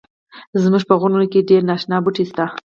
زمونږ په غرونو کښی ډیر ناشنا بوټی شته